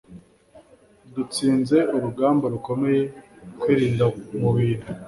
dutsinze urugamba rukomeye Kwirinda mu bintu